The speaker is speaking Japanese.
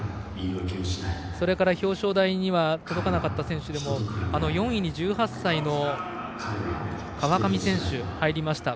それから表彰台には届かなかった選手でも４位に１８歳の川上選手が入りました。